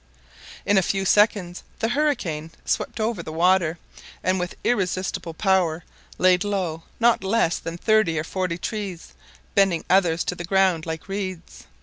In a few seconds the hurricane had swept over the water, and with irresistible power laid low not less than thirty or forty trees, bending others to the ground like reeds.